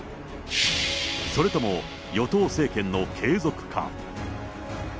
それとも与党政権の継続か。